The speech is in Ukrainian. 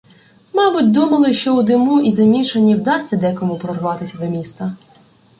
Мабуть, думали, що у диму і замішанні вдасться декому прорватися до міста.